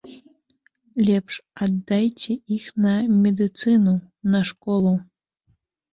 Лепш аддайце іх на медыцыну, на школу.